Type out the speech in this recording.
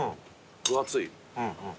分厚い。